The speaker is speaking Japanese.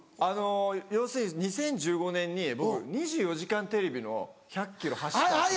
要するに２０１５年に僕『２４時間テレビ』の１００ｋｍ走ったんですね。